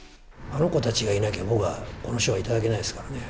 あの子たちがいなきゃ、僕はこの賞は頂けないですからね。